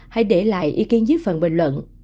hãy để lại ý kiến dưới phần bình luận